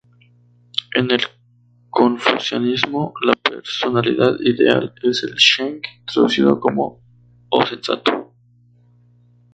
En el Confucianismo, la personalidad ideal es el "sheng", traducido como o sensato.